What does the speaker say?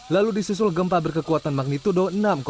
lalu disusul gempa berkekuatan magnitudo enam satu